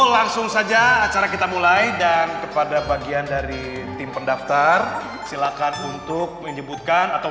langsung saja acara kita mulai dan kepada bagian dari tim pendaftar silakan untuk menyebutkan atau